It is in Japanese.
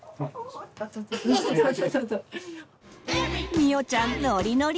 みおちゃんノリノリ！